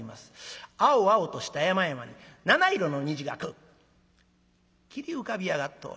青々とした山々に七色の虹がくっきり浮かび上がっております。